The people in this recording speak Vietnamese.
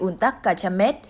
ủn tắc cả trăm mét